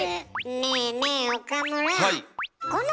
ねえねえ岡村。